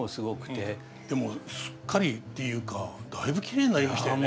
でもすっかりっていうかだいぶきれいになりましたね。